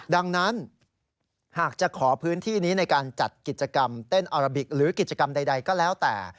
ดังนั้นหากจะขอพื้นที่นี้ในการจัดกิจกรรมเต้นอาราบิกหรือกิจกรรมใดก็แล้วแต่